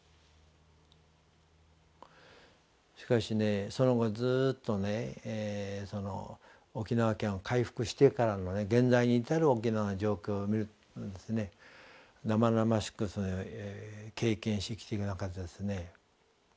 しかしねその後ずっとね沖縄県が回復してからの現在に至る沖縄の状況を見ると生々しくそれを経験して生きていく中でですね